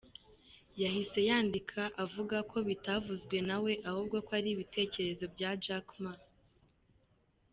Yahise yandika avuga ko bitavuzwe nawe ahubwo ko ari ibitekerezo Jack Ma.